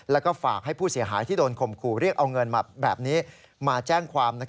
แล้วก็ฝากให้ผู้เสียหายที่โดนข่มขู่เรียกเอาเงินมาแบบนี้มาแจ้งความ